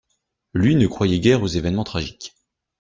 Lui ne croyait guère aux événements tragiques.